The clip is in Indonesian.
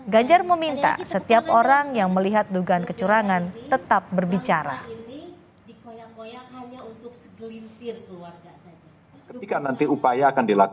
ganjar meminta setiap orang yang melihat dugaan kecurangan tetap berbicara